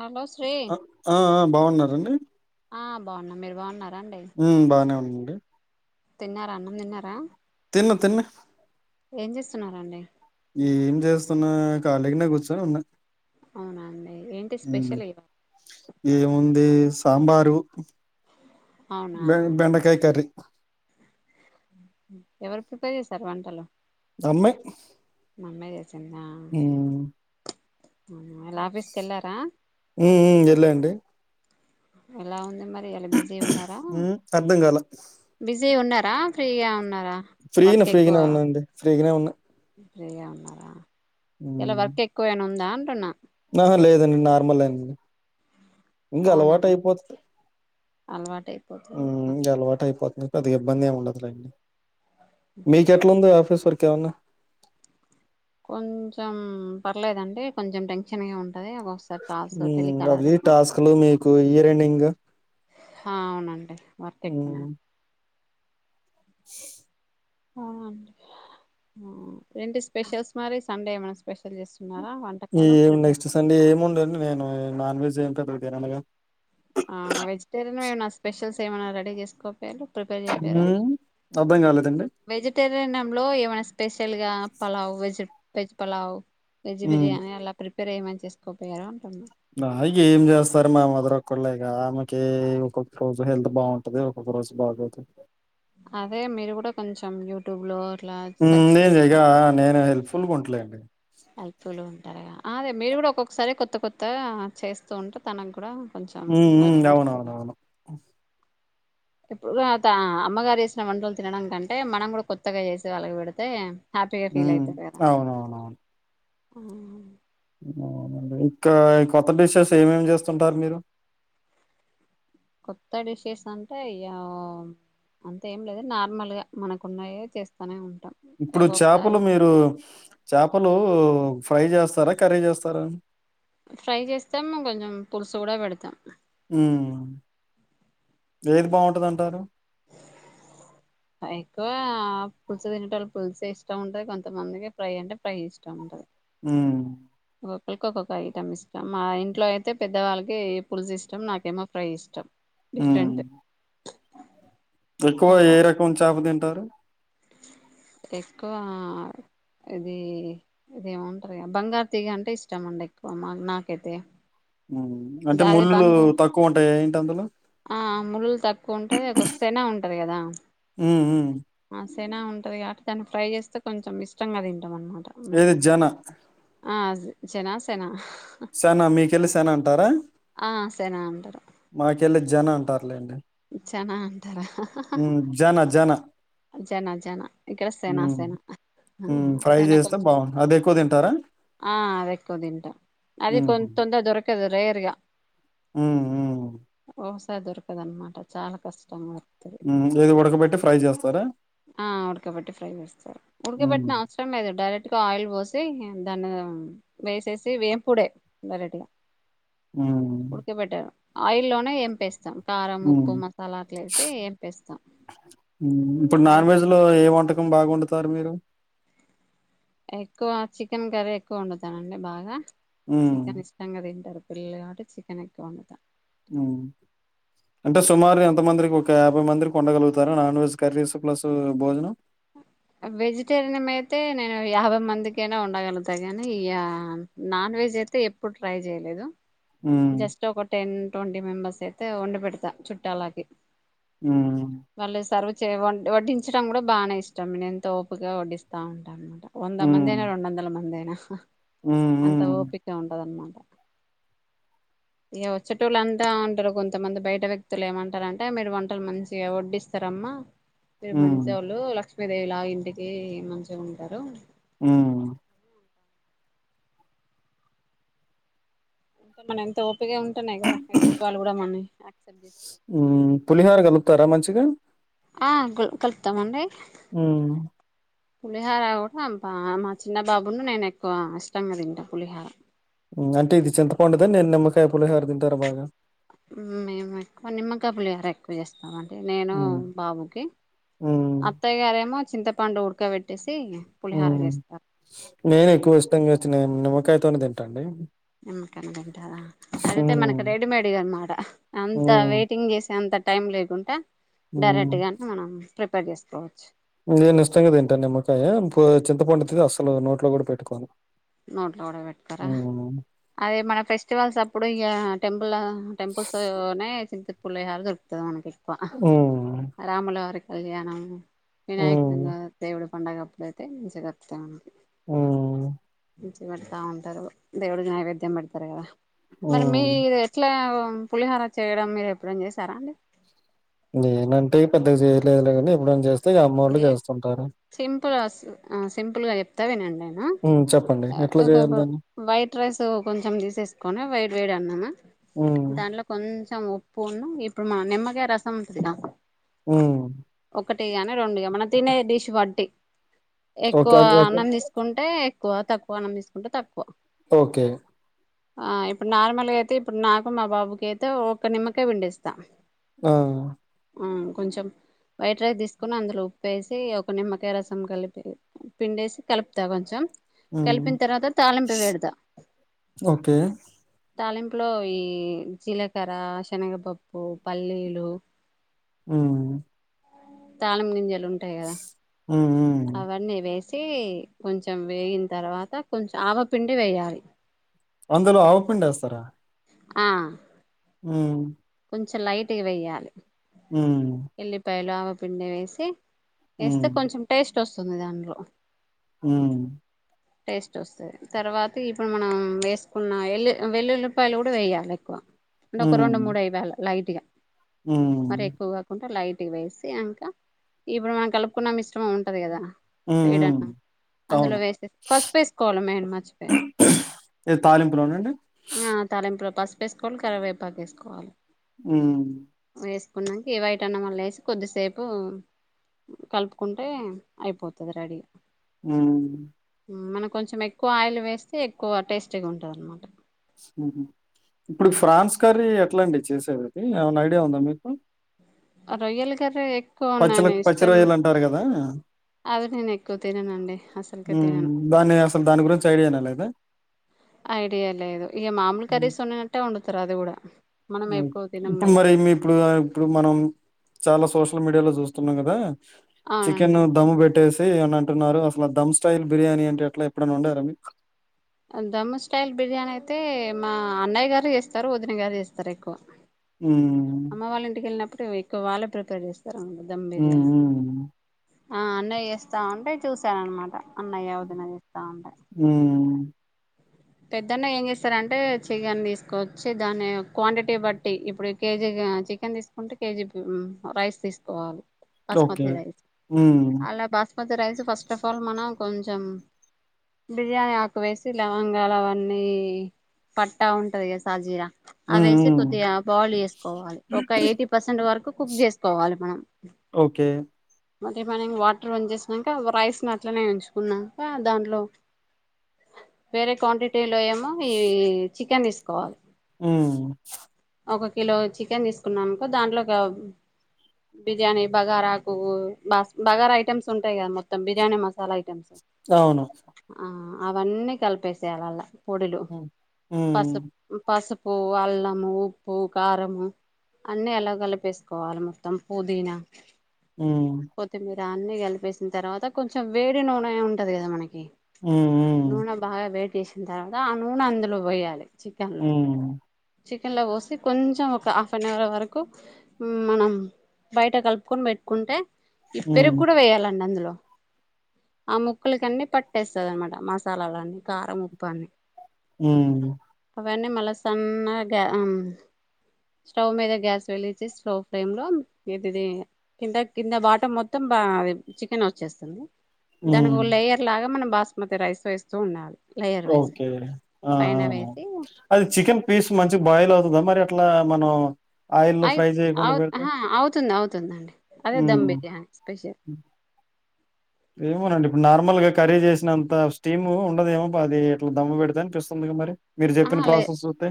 Hello Sri ఆ! ఆ! ఆ! బాగున్నారండి ఆ బాగున్నా మీరు బాగున్నార ఉ బాగానే ఉన్నా ఒకే తిన్నారా అన్నం తిన్నారా తిన్న తిన్న ఏం చేస్తున్నారండి నేను ఏం చేస్తున్నా ఖాళీగానే కూర్చోనీ ఉన్నా అవునాండి ఏంటి హ్మ్. స్పెషల్ ఇవ ఏముంది సాంబారు అవునా బెన్ బెండకాయ కర్రీ ఎవరు ప్రిపేర్ చేసారు వంటలు అమ్మే మమ్మే చేస్ సిందా ఇవలా ఆఫీస్కి కేళ్ళారా హ్మ్. హ్మ్. ఎళ్ళండి. ఎలా ఉంది మరి. ఇయ్యాల బిజీ ఉన్నారా హ్మ్. అర్థం కాలా. బిజీ ఉన్నర్ హా ఫ్రీగా ఉన్నారా. ఫ్రీనే వర్క్ ఎక్కువ ఫ్రీగానే ఉన్నా అండి ఫ్రీగానే ఉన్నా. ఫ్రీగా ఉన్నారా. ఇలా వర్క్ ఎక్కువైనా ఉందా. అంటున్న. ఆహ లేదండి నార్మలైంది ఇంగా అవునా అలవాటు అయిపోతతి అలవాటు ఉ అయిపోతుంది ఇంగ అలవాటు అయిపోతి. ఇక పెద్దగా ఇబ్బంది ఏమి ఉండదులేండి. మీకు ఎట్లుంది ఆఫీస్ వర్క్. ఇంకెవన్న కొంచెం పర్లేదండి కొంచెం టెన్షన్ గా ఉంది. అవి టాస్క్లు మీకు ఇయర్ ఎండింగ్. ఆ అవునండి. వర్క్ ఎక్కువనా. స్ అవునండి ఏంటి స్పెషల్స్ మరి సండే ఏమైన్నా స్పెషల్ చేసు ఈ ఏం నెక్స్ట్ సండే ఏమి ఉండదు నేను నాన్ వెజ్ ఏం తినను. తిననుగా. అవును వెజిటేరియన్అన్నా స్పెషల్స్. ఏమైన్నా రెడీ చేసుకోపోయిళ్లు. ప్రిపేర్ చెపారా హ్మ్ అర్థం కాలేదండి వెజిటేరియన్లో ఏమన్నా స్పీ. తెలుగా pulao veg veg pulao veg హ్మ్ బిర్యాని అలా ప్రి ప్రేమని చేసుకోపోయారా. అ ఏంచేస్తార మావ మదరక్కళలేఫ్. ఆమెకి ఒక్కొక్క రోజు హెల్త్ బాగుంటది ఒక్కొక్క రోజు బాగోదు. అదే మీరుకూడా కొంచెం యూట్యూబ్ లో నేనుగ నేను హెల్పఫుల్గా ఉంట. లెండి. హెల్పఫుల్ ఉంటారా అదే మీరు కూడా ఒక్కొక్కసారి కొత్త కొత్త గా చేస్తూ ఉంటే తనకు కూడా. కొంచెం ఉ ఉ హెల్ప్గా ఉంటుంది అవునువున్వును. ఇప్పుడు అమ్మగారు వేసిన వంటలు తినడం కంటే మనం కూడా కొత్తగా చేసి వాళ్ళకి పెడితే. హ్యాపీగా ఉ అవునవునవును ఉ ఇంకా ఈ కొత్త డిషెస్ ఏమేమి చేస్తుంటారు మీరు కొత్త డిషెస్ అంటే ఆ అంతేం లేదు నార్మల్ గా మనకు ఉన్నాయే చేస్తానే ఉన్ ఇప్పుడు చేపలు మీరు చేపలు ఫ్రై చేస్తారా కర్రీ చేస్తారా ఫ్రై చేస్తే మేము కొంచెం పులుసు కూడా పెడతా ఉ ఏది బాగుంటది అంటారు ఎక్కువ పులుసు తినేటోళ్ళు పులుసే ఇష్టం ఉంటది కొంతమందికి ఫ్రై అంటే ఫ్రై ఇష్టం ఉంటది ఉ ఒక్కొక్కళ్ళకి ఒక్కొక్క ఐటమ్ ఇష్టం మా ఇంట్లో అయితే పెద్దవాళ్ళకి పులుసు ఇష్టం నాకేమో ఫ్రై ఇష్టం ఉ డిఫరెంట్ ఎక్కువ ఏ అలా రకం చాప తి టరు ఎక్కువ ఇది ఇదేమంటారు బంగారు తీగ అంటే ఇష్టమండి ఎక్కువ మా నాకైతే ఉ అంటే దాది ముళ్ళులు బంగారు తక్కువ ఉంటాయి అందులో ఆ ముళ్ళు తక్కువ ఉంటది కోస్సేనే ఉంటది కదా ఉమ్ ఉమ్ సెనా ఉంటుంది కాబట్టి దాన్ని ఫ్రై చేస్తే కొంచెం ఇష్టంగా తీన్ ఏది జన ఆ జనా సెనా సేనా మీకెళ్ళి సేనా అంటారా ఆ మాకెళ్ళ జన అంటారు జనా అంటారా హా హా హా ఉమ్ జన జన హా జనా జనా ఇక్కడ సెనా ఉమ్ సెనా ఆ ఉమ్ ఫ్రై సెనా చేస్తే కొంచం బాగుంటది అది ఎక్కువ తింటారా ఆ అది ఎక్కువ తింటా అది కొన్ తొందర దొరక [unintelligible] రేరుగా ఉ ఉ [unintelligible] దొరకదు అన్నమాట అది చానా కష్టం అది ఉమ్ ఏది ఉడకబెట్టి ఫ్రై చేస్తారా ఆ ఉడకపెట్టి ఫ్రై చేస్తారు ఉమ్ ఉడకబట్టిన అవసరం లేదు డైరెక్ట్గా ఆయిల్ పోసి దాన్ని వేసేసి వేపుడే డైరెక్ట్ గా మ్మ్ ఆయిల్ లోనే ఏంపేస్తాం కారం ఉప్పు మసాలా అట్లా వేసి ఎంపేస్తాం ఇప్పుడు అది నాన్ వెజ్ లో ఏం వంట కం బాగుండుతారు మీరు ఎక్కువ చికెన్ కర్రీ ఎక్కువ వండుతానండి బాగా ఉమ్ చికెన్ ఇష్టంగా తింటారు పిల్లలు కబ్బటి చికెన్ ఎక్కువ వండూత అంటే సుమారు ఎంతమందిరీకి ఒక యాభై మందిరీకి వందగలుగుతారా నాన్ వెజ్ కర్రీస్ ప్లస్ భోజనం వెజిటేరియన్ అయితే నేను యాభై మందికైనా వడగలుగుతా గానీ ఇక నాన్ వెజ్ అయితే ఎప్పుడు ట్రై చేయలేదు హ్మ్ జస్ట్ ఒక టెన్ ట్వంటీ మెంబర్స్ అయితే వండి పెడతా చుట్టాలాకి మ్మ్ వ వడ్డించడం కూడా బానే ఇష్టం నేనుతో ఓపికతో వడ్డిస్తా ఉంటాను వంద మంది హ్మ్ అయ్యిన రెండు వందల మంది అయ్యిన స హ్మ్ అంత హ్మ్ ఓపిక ఉంటదన్నమాట ఇగ వచ్చేటోళ్ళ అంటా ఉంటారు కొంతమంది బయట వ్యక్తులు ఏమంటారంటే మీరు వంటలు మంచిగా వడ్డిస్తారమ్మా మీరు మంచి హ్మ్ వాళ్ళు లక్ష్మీ దేవి లా ఇంటికి మంచిగా ఉంటారు మ్మ్ అంత మన ఎంతో ఓ ఎప్పగా ఉంటేనే కదా ఎదుటి వాళ్ళు కూడా మ యాక్సెప్ట్ చేస్తారు గా ఆ కలుపుతామండి అ పులిహార కూడా మా చిన్న బాబును నేను ఎక్కువ ఇష్టంగా తంట పులిహార అంటే ఇది చింతపండుద నేను నిమ్మకాయ పలే హారు తింటారా బాగా మే ఎక్కువ నిమ్మకాయ పులిహోర ఎక్కువ చేస్త అంటే నేను హ్మ్ బాబుకి హ్మ్ అత్తయ్య గారేమో చింత పండువుడుక్కక పెట్టసి నేను ఎక్కువ ఇష్టంగా వచ్చినా కాైతోని తింటండి నిమ్మకాయది తింటారా అదైతే మనకి హ్మ్ రెడీమేడ్గా అనమాట అంత హ్మ్ వెయిటింగ్ చేసి అంత టైం లేకుండా హ్మ్ డైరెక్ట్గానే మనం ప్రిపేర్ చేసుకోవచ్చు నేను ఇష్టంగా తింట నిమ్మకాయ చింత పండుతుది అస్సలు నోట్ లో కూడా పెట్టుకోను నోట్లో కూడా పెట్టుకోరా హ్మ్ అదే మన ఫెస్టివల్స్ అప్పుడు ఇక టెంపుల్స్ న పులహారు దొరుకుతది మనకి హ్మ్ రాములవరకి కళ్యాణము హ్మ్ ఏనాయంగా దడ పండగప్పుడ అయితే మంచిగపుత ఉంది ఆ మంచి పెడతా ఉంటారు దేవుడు నైవేద్యం పెడతారు కదా మరి మీ హ్మ్ ఎట్లా పులిహర చేయడం మీరు ఎప్పుడం చేసారా అండి నేనంటే పెద్దగా చేయలేదులేగానీ ఇప్పుడ చేస్తా ఏ సింపుల్ సింపుల్గా చెప్తా వినండి నేను హ్మ్ చెప్పండి ఎట్లా చేయాలి దాన్ని? వైట్ రైస్ కొంచెం తీసేసుకొని వైట్ వేడి అన్నాను హ్మ్. దాంట్లో కొంచెం పో ఇప్పుడుమా నిమ్మకే రసం ఉంటదిద ఆ ఒకటే రెండుగా మన తిన డిష్ పటి ఎక్కువ ఓకే. అది అది అన్నం తీసుకుంటే ఎక్కువ తక్కువ కోణం తీసుకుంటే తక్కువ ఓకే ఆ ఇప్పుడు నార్మల్ అయితే ఇప్పుడు నాకు మా బాబుకి అయితే ఒక నిమ్మకే పిండిస్తాం ఆ కొంచెం వైట్ రైస్ తీస్త కని అందులో ఉప్పేసి ఒక నిమ్మకాయ రసం కలిపి పిండేసి కలుపుతా కొంచెం హ్మ్. కలిపిన తర్వాత తాళింపు వేడదా ఓకే. తాలింపులో ఈ జీలకర్ర శనగపప్పు పల్లీలు ఆ తాళ ము నుంరు ఉంటాయి కదా హ్మ్. హ్మ్. అవన్నీ వే వచ్చి కొంచెం వేయిిన తర్వాత కొంచెం ఆవపిండి వేయాలి అందలో ఆవుపి వేస్తారా ఆ ఉ కొంచెం లైట్ వయ్యాలి ఆ గలామ పిండ వేసి ఎస్తా కొంచెం టేస్ట్ అ వస్తుంది దాంట్లో ఆ టేస్ట్ వస్తుంది తర్వాత ఇప్పుడు మనం వేసుకున్న వెల్లు వెల్లుల్లిపాయలు కూడా వేయాలి ఎక్కువ అంటే ఒక హ్మ్. రెడు మూడుైఐదు లైటగా మరి హ్మ్. ఎక్కువ కాకుండా లైట్ ఇటి వేసి అంకా ఇప్పుడు మనం కలుపుకున్నాం ఇష్టం ఉంటది కదా హ్మ్. హ్మ్. వేడన్నం అందులో అవును. వేస్తే పసుపు వేసుకోవాలి మేను మర్చిపో ఏది తాలంపులోన్నాండి ఆ తాలింపుల్లో పసుపు వేసుకోవాలి కరివేపాక వేసుకోవాలి ఆ వేసుకున్నాకి వైట అన్నం వళ్ళ వేసి కొద్దిసేపు కలుపుకుంటే అయిపోతది రెడీగా ఆ మనం కొంచెం ఎక్కువ ఆయిల్ వేస్తే ఎక్కువ టేస్టీగా ఉంటుంది అన్నమాట ఇప్పుడు ఫ్రాన్స్ కర్రీ ఎట్లాండి చేసేది ఏమైనా ఐడియా ఉందా మీకు రొయ్యల కర్రీ ఎక్కువ పచ్చళ నేను పచ్చి ఇష్టం రొయ్యలు అంటారు కదా అది నేను ఎక్కువ తిననండి అసలుకే తినను దాన్ని అసలు దాని గురించి ఐడియానే లేదు అ ఐడియా లేదు ఇక మాములు కర్రీస్ ఉన్ననట్టే వండుతారు అది కూడా మనం ఉమ్ ఎక్కువ తినం ఇప్పుడు కదా మరి ఇప్పుడు ఆహ్ ఇప్పుడు మనం చాలా సోష సోసల్ మీడియాలో చూస్తున్నాం కదా. చికెను అవునండి దమ్మ్ పెట్టేసి. ఏమని అంటున్నారు అసలు దమ్ స్టయిల్ బిర్యానీ అంటే ఏట్లా ఎప్పుడైనా వండారండి. దమ్ స్టయిల్ బిర్యానీ అయితే మా అన్నయ్య గారు చేస్తారు వదిన గారు చేస్తారు ఎక్కువ. ఉమ్ ఎక్కవ వాళ్ళే ప్రిపేర్ చేస్తారు. ఉమ్మ్ మా అన్నయ్య చేస్తా ఉంటే చూసాను అనమాట అన్నయ్యవదినా చేస్ ఉమ్ పెద్దన్న ఏం చేస్తారంటే చికెన్ తీసుకోచ్చి దాన్ని క్వాంటిటీ బట్టి ఇప్పుడు కేజీ చికెన్ తీసుకుంటే కేజీ రైస్ తీసుకోవాలి. ఓకే ఉమ్ కొద్ది రైస్ ఫస్ట్ ఆఫ్ ఆల్ మన కొంచెం బియానీ ఆకు వేసి ఇలా లావంగళ అవన్ని ఏసి పట్టా ఉంటది కదా సాజీర. అవి ఉమ్ వేసి ఉమ్ కొద్దిగా బాయిల్డ్ చేసుకోవాలి. ఒక ఎయిటీ పర్సెంట్ వరకు కుక్ చేసుకోవాలి మనం. ఓకే మంటే మనం వాటర్ వంచేసినాక రైస్ని అట్లనే ఉంచుకున్నాక దాంట్లో వేరే క్వాంటిటీ లో ఏమో ఈ చికెన్ తీసుకోవాలి. ఉమ్ ఒక కిలో చికెన్ తీసుకున్నామనుకో దాంట్లో ఒక బిర్యానీ బగారాకు బా బగారా ఐటెమ్స్ ఉంటాయి కదా మొత్తం బిర్యానీ మసాలా ఐటెమ్స్. అవును అవన్నీ కలిపేసేయాలలా. పోడులు ఉమ్ ఉమ్ పసుపు పసుపు. ఓ వాళ్ళము ఉప్. ఉప్పు కారము అన్ని అండ్ల కలిపేసుకోవాలి మొత్తం పుదీనా. ఉమ్ దాన్ని కలిపేసిన తర్వాత కొంచెం వేడి నూనె ఉంటుంది కదా మనకి. ఉమ్ నూనె బాగా వేడి. చేసిన తర్వాత ఆ నూనె అందులో పోయాలి. చికెన్లో ఉమ్మ్ చికెన్లో పోసి కొంచెం ఒక హాఫ్ అన్ అవర్ వరకు మనం బయట కలుపుకొని పెట్టుకుంటే. ఇప్పరికి ఉమ్ ఉమ్ కూడా వేయ్యాలండి అందులో ఆ ముక్కలకాన్ని పట్టేస్తుదానమాట మసాలాలన్నీ కారం ఉప్పు అన్నీ. ఉమ్ అవన్నీ మళ్ళా సన్నగా ఆమ్. స్టవ్ మీద గ్యాస్ వెలిగించి స్లో ఫ్లేమ్ లో ఇదిది కింద కింద బాటమ్ మొత్తం బా చికెన్ వచ్చేస్తుంది. దాన్నీ ఉమ్ వో లేయర్ లాగా మనం బా స్మతి రైస్ వేస్తూ ఉండాలి లేయర్ వైజ్గా ఓకే పైన అమ్ వేసి అది చికెన్ పీస్ మంచి గా బయల్ అవుతుందా మరి అట్లా మనం ఆయిల్ల్లో ఫ్రై చేయకుండా పెడతే తుందండి అదే దమ్ బిర్యానీ స్పెషల్ ఏమోనండి ఇప్పుడు నార్మల్ గా కర్రీ చేసినంత స్టీమ్ ఉండదేమో అది ఎట్లా దమ్మ్ పెడితే అనిపిస్తుందిగా మరి మీరు ఆ చెప్పిన లేద్ ప్రాసెస్ చూస్తే.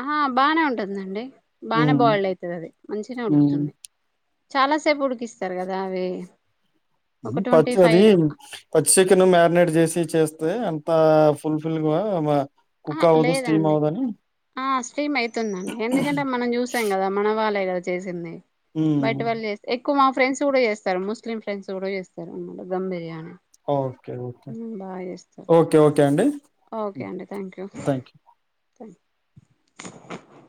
ఆహా బానే ఉంటుందండి. బాగానే హ్మ్. బాయిల్డ్ అవుతది. అది మంచినే హ్మ్. ఉడుకుతుంది. చాలా సేపు ఉడికిస్తారు కదా అవి ఒక ఉ ట్వంటీ పచ్చి అది ఫైవ్ పచ్చి చికెన్ మ్యారినేట్ చేసి చేస్త స్తే అంత ఫుల్ ఫిల్గా ఆహా లేదండి ఆ స్ట్రీమ్ అయి తుందండి ఎందుకంటే మనం చూసాం కదా మన వాళ్ళ ఇయల చేసింది బైట్ హ్మ్. వాళ్ళు చేస్తే ఎక్ క్కువ మా ఫ్రెండ్స్ కూడా చేస్తారు. ముస్లిం ఫ్రెండ్స్ కూడా చేస్తారు. అన్న మాట దమ్ బిర్యానీ ఓకే ఓకే బాగా చేస్తారు ఓకే ఓకే అండి ఓకే థ్యాంక్యూ థాంక్స్.